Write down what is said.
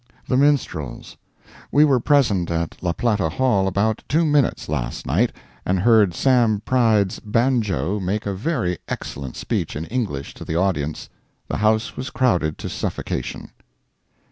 THE MINSTRELS.—We were present at La Plata Hall about two minutes last night, and heard Sam. Pride's banjo make a very excellent speech in English to the audience. The house was crowded to suffocation.